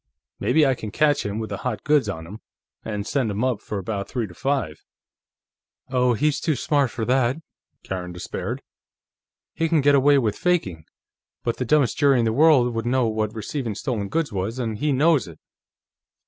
Maybe I can catch him with the hot goods on him, and send him up for about three to five." "Oh, he's too smart for that," Karen despaired. "He can get away with faking, but the dumbest jury in the world would know what receiving stolen goods was, and he knows it."